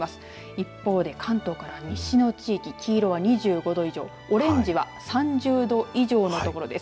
一方で関東から西の地域黄色は２５度以上オレンジは３０度以上の所です。